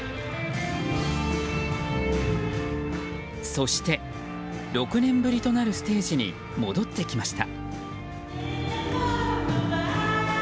そして、６年ぶりとなるステージへ戻ってきました。